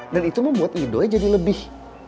dan itu membuat ido jadi lebih